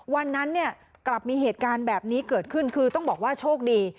วันนั้นเนี่ยกลับมีเหตุการณ์แบบนี้เกิดขึ้นคือต้องบอกว่าโชคดี